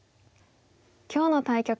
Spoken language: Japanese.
今日の対局